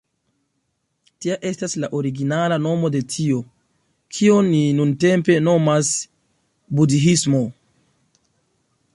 Tia estas la originala nomo de tio, kion ni nuntempe nomas budhismo.